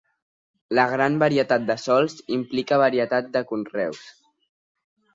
La gran varietat de sòls implica varietat de conreus.